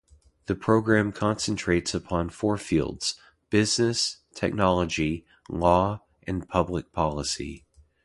The program concentrates upon four fields: Business, Technology, Law, and Public Policy.